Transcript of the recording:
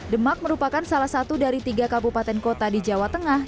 demak merupakan salah satu dari tiga kabupaten kota di jawa tengah